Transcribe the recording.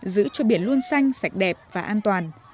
giữ cho biển luôn xanh sạch đẹp và an toàn